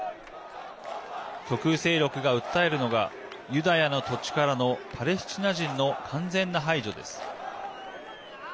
極右勢力が訴えるのがユダヤの土地からのパレスチナ人の完全な排除です。